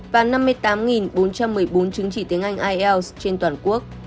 và năm mươi tám bốn trăm một mươi bốn chứng chỉ tiếng anh ielts trên toàn quốc